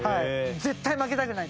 絶対負けたくない。